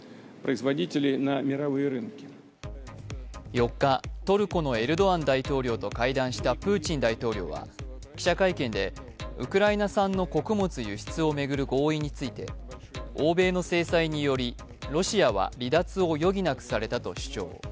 ４日、トルコのエルトアン大統領と会談したプーチン大統領は記者会見で、ウクライナ産の穀物輸出を巡る合意について、欧米の制裁によりロシアは離脱を余儀なくされたと主張。